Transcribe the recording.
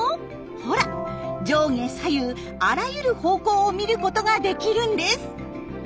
ほら上下左右あらゆる方向を見ることができるんです。